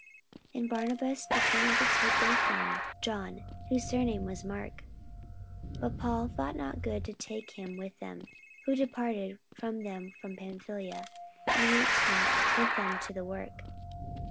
44:015:037 And Barnabas determined to take with them John, whose surname was Mark. 44:015:038 But Paul thought not good to take him with them, who departed from them from Pamphylia, and went not with them to the work.